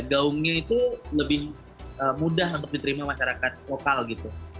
gaungnya itu lebih mudah untuk diterima masyarakat lokal gitu